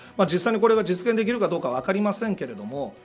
実際にこれが実現できるかどうか分かりませんが